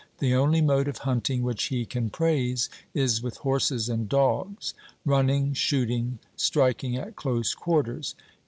The only mode of hunting which he can praise is with horses and dogs, running, shooting, striking at close quarters.